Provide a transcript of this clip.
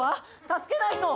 助けないと。